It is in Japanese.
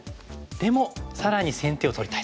でも更に先手を取りたいと。